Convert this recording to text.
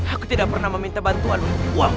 aku tidak pernah meminta bantuan untuk dibuang